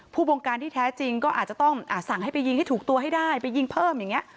บงการที่แท้จริงก็อาจจะต้องสั่งให้ไปยิงให้ถูกตัวให้ได้ไปยิงเพิ่มอย่างนี้